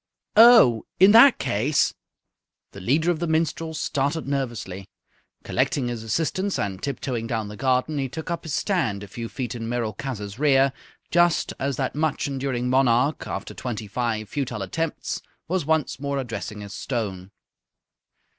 "Oh, in that case!" The leader of the minstrels started nervously. Collecting his assistants and tip toeing down the garden, he took up his stand a few feet in Merolchazzar's rear, just as that much enduring monarch, after twenty five futile attempts, was once more addressing his stone.